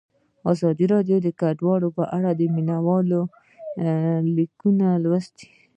ازادي راډیو د کډوال په اړه د مینه والو لیکونه لوستي.